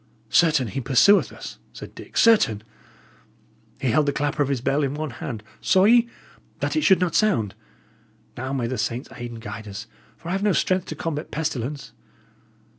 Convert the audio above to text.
"Certain, he pursueth us," said Dick "certain! He held the clapper of his bell in one hand, saw ye? that it should not sound. Now may the saints aid and guide us, for I have no strength to combat pestilence!"